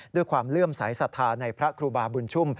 ความเลื่อมสายศรัทธาในพระครูบาบุญชุ่ม